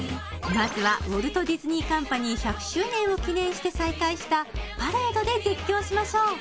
まずはウォルト・ディズニー・カンパニー１００周年を記念して再開したパレードで絶叫しましょう！